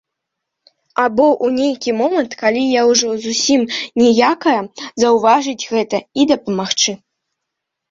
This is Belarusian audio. Або ў нейкі момант, калі я ўжо зусім ніякая, заўважыць гэта і дапамагчы.